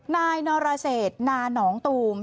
นายนรเศษนาหนองตูม